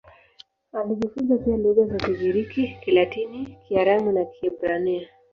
Alijifunza pia lugha za Kigiriki, Kilatini, Kiaramu na Kiebrania.